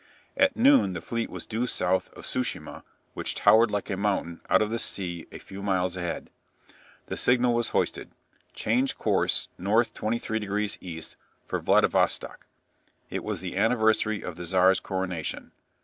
At noon the fleet was due south of Tsu shima, which towered like a mountain out of the sea a few miles ahead. The signal was hoisted, "Change course N.23°E. for Vladivostock." It was the anniversary of the Tsar's coronation.